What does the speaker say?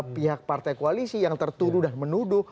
pihak partai koalisi yang tertuduh dan menuduh